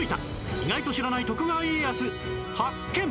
意外と知らない徳川家康発見！